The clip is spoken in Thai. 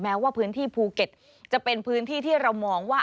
ว่าพื้นที่ภูเก็ตจะเป็นพื้นที่ที่เรามองว่า